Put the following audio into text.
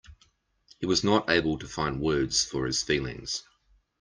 He was not able to find words for his feelings.